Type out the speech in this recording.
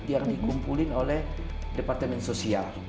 yang dikumpulin oleh departemen sosial